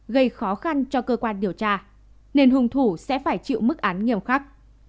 gây khó khăn cho cơ quan điều tra nên hùng thủ sẽ phải chịu mức án nghiêm khắc